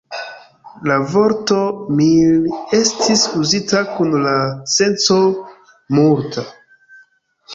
La vorto "mil" estis uzita kun la senco "multa".